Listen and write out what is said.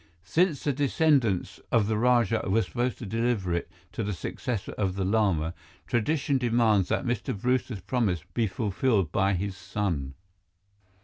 Since the descendants of the Rajah were supposed to deliver it to the successor of the Lama, tradition demands that Mr. Brewster's promise be fulfilled by his son.